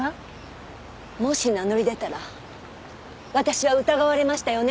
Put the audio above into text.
もし名乗り出たら私は疑われましたよね？